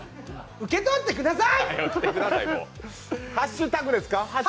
受け取ってください。